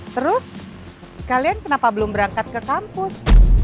terus kalian kenapa belum berangkat ke kampus